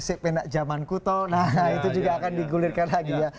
si penak jaman kuto nah itu juga akan digulirkan lagi ya